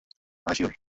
হ্যাঁ, শিউর!